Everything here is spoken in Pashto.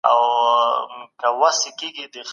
ښځه کولای سي، د نورو کسانو ضامنه هم سي.